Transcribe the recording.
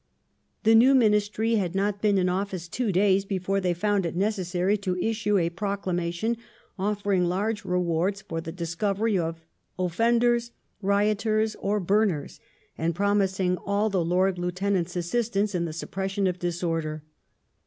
The new Ministry had not been in office two days before they found it necessaiy to issue a proclamation offering large rewards for the discovery of " offenders, rioters, or burners," and promising all the Lord Lieutenants assistance in the suppression of disorder.